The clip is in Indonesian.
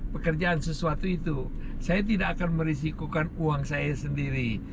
pekerjaan sesuatu itu saya tidak akan merisikokan uang saya sendiri